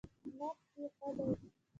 _نبض يې ښه دی.